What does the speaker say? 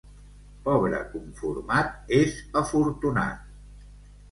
Pobre conformat és afortunat.